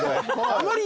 あまり。